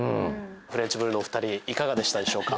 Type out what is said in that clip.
フレンチぶるのお２人いかがでしたでしょうか？